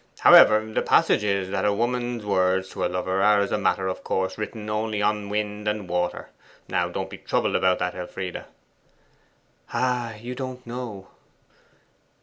However, the passage is, that a woman's words to a lover are as a matter of course written only on wind and water. Now don't be troubled about that, Elfride.' 'Ah, you don't know!